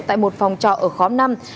tại một phòng trọ ở khóm năm